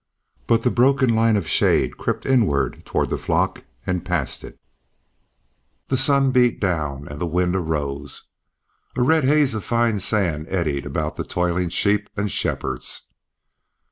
But the broken line of shade crept inward toward the flock, and passed it. The sun beat down, and the wind arose. A red haze of fine sand eddied about the toiling sheep and shepherds.